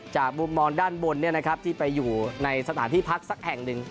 จากบุมมอล์นด้านบนเนี้ยนะครับที่ไปอยู่ในสถานที่พัทธิสักแห่งหนึ่ง